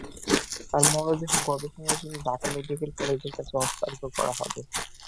পরে তাঁর মরদেহ গবেষণার জন্য ঢাকা মেডিকেল কলেজের কাছে হস্তান্তর করা হবে।